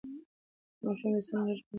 د ماشوم د ستوني غږ بدلون وګورئ.